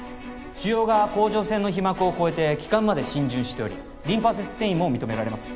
腫瘍が甲状腺の被膜を越えて気管まで浸潤しておりリンパ節転移も認められます。